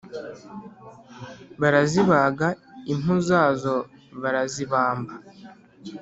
barazibaga impu zazo barazibamba,